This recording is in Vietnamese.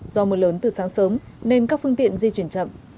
do mưa lớn từ sáng sớm nên các phương tiện di chuyển chậm